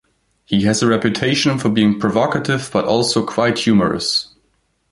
He has a reputation for being provocative but also quite humorous.